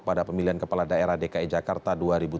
pada pemilihan kepala daerah dki jakarta dua ribu tujuh belas